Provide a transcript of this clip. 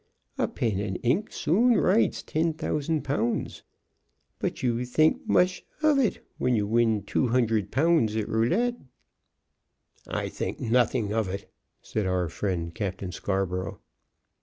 A pen and ink soon writes ten thousand pounds. But you think mush of it when you win two hundred pounds at roulette." "I think nothing of it," said our friend Captain Scarborough.